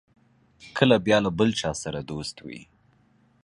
کله بیا له بل چا سره دوست وي.